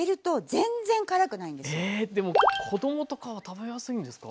えでも子供とかは食べやすいんですか？